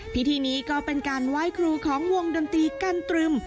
พิธีนี้ก็เป็นการไหว้ครูของวงดนตรีกันตรึม